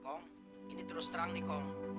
kong ini terus terang nih kong